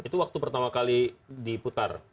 itu waktu pertama kali diputar